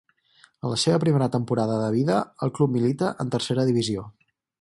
En la seva primera temporada de vida el club milita en Tercera Divisió.